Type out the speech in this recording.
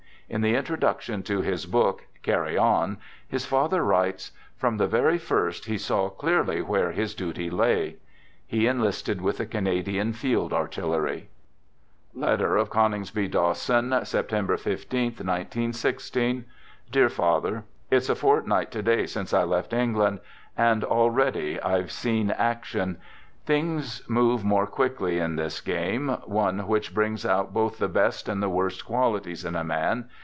In the introduction to his book " Carry On," his father writes :" From the very first he saw clearly where his duty lay." He enlisted with the Canadian Field Artillery. {Letter of Coningsby Dawson) Dear Father: September I5th ' igi6 ' It's a fortnight to day since I left England, and 38 Digitized by Googk THE GOOD SOLDIER" 39 already I've seen action. Things move more quickly in this game — one which brings out both the best and the worst qualities in a man.